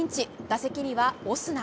打席にはオスナ。